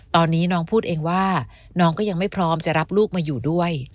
ตอนนี้น้องพูดเองว่าน้องก็ยังไม่พร้อมจะรับลูกมาอยู่ด้วย